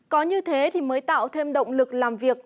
có như thế thì mới tạo thêm động lực làm việc